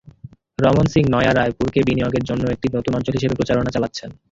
রমন সিং নয়া রায়পুরকে বিনিয়োগের জন্য একটি নতুন অঞ্চল হিসেবে প্রচারণা চালাচ্ছেন।